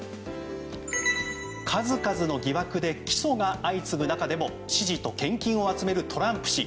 数々の疑惑で起訴が相次ぐ中でも支持と献金を集めるトランプ氏。